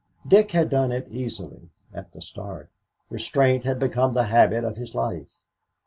Dick had done it easily at the start. Restraint had become the habit of his life.